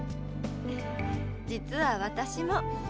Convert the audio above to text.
実は私も。